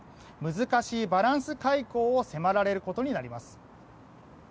難しいバランス外交を迫られることになります。